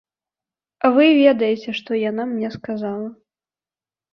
Вы ведаеце, што яна мне сказала.